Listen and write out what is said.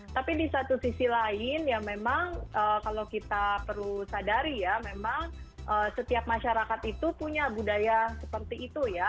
tapi di satu sisi lain ya memang kalau kita perlu sadari ya memang setiap masyarakat itu punya budaya seperti itu ya